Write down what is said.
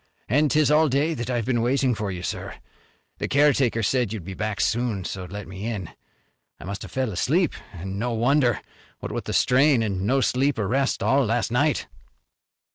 "An' 'tis all day that I've been waiting for you, sir. The caretaker said you'd be back soon so let me in. I must have fell asleep, an' no wonder, what with the strain an' no sleep or rest all last night."